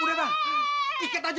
udah bang ikat aja